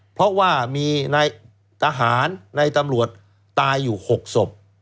เพราะว่ามีในทหารในตำรวจตายอยู่๖ศพ